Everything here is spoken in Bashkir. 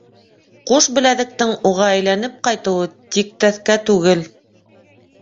Ҡуш беләҙектең уға әйләнеп ҡайтыуы тиктәҫкә түгел.